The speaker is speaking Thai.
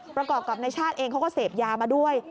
ประกอบกับในชาติเองเขาก็เสพยามาด้วย